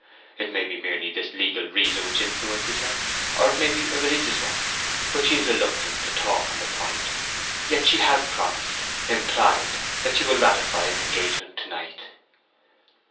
It may be merely this legal reason which influences her, or it may be a religious one, but she is reluctant to talk on the point. Yet she has promised—implied—that she will ratify an engagement to night."